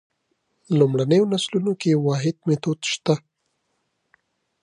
لومړنیو نسلونو کې واحد میتود شته.